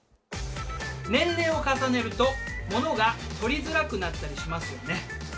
年齢を重ねるとものが取りづらくなったりしますよね。